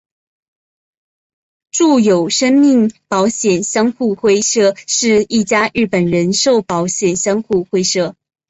住友生命保险相互会社是一家日本人寿保险相互会社。